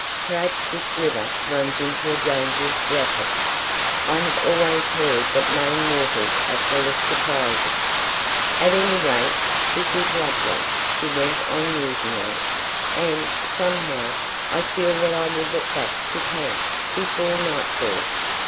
"Perhaps this river runs into a dangerous rapid. I have always heard that Maine waters are full of surprises." "At any rate, this is lovely," she went on musingly, "and, somehow, I feel that I will get back to camp before nightfall."